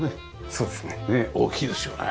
そうですね。